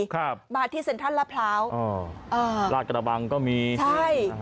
ครับมาที่เซ็นทรัลลาดพร้าวอ๋ออ่าลาดกระบังก็มีใช่